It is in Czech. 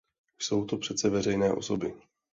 Jsou to přece veřejné osoby.